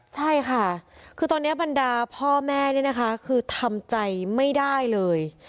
ใช่ค่ะคือตอนนี้บรรดาพ่อแม่นี่นะคะคือทำใจไม่ได้เลย